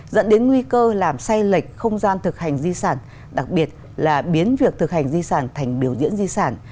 dẫn đến nguy cơ làm say lệch không gian thực hành di sản đặc biệt là biến việc thực hành di sản thành biểu diễn di sản